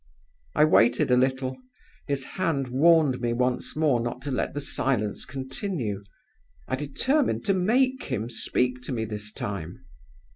"I waited a little. His hand warned me once more not to let the silence continue. I determined to make him speak to me this time.